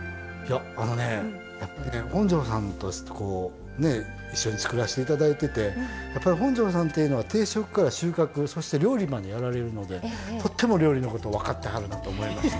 あのね本上さんと一緒に作らせていただいてて本上さんっていうのは定植から収穫そして料理までやられるのでとっても料理のことを分かってはるなと思いました。